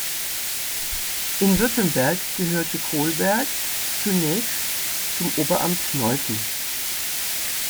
In Württemberg gehörte Kohlberg zunächst zum Oberamt Neuffen.